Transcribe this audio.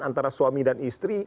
antara suami dan istri